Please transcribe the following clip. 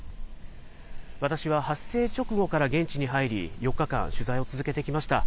私は発生直後から現地に入り、４日間、取材を続けてきました。